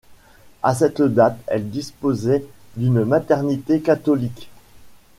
À cette date elle disposait d'une maternité catholique.